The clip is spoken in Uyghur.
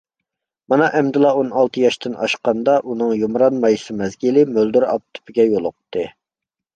مانا ئەمدىلا ئون ئالتە ياشتىن ئاشقاندا، ئۇنىڭ يۇمران مايسا مەزگىلى مۆلدۈر ئاپىتىگە يولۇقتى.